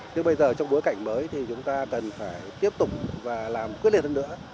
nhưng bây giờ trong bối cảnh mới thì chúng ta cần phải tiếp tục và làm quyết liệt hơn nữa